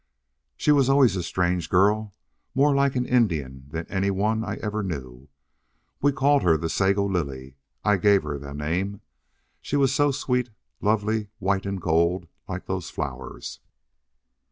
"She was always a strange girl, more like an Indian than any one I ever knew. We called her the Sago Lily. I gave her the name. She was so sweet, lovely, white and gold, like those flowers....